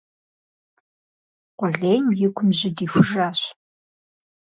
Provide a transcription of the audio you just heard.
Къулейм и гум жьы дихужащ.